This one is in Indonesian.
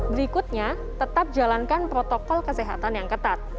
berikutnya tetap jalankan protokol kesehatan yang ketat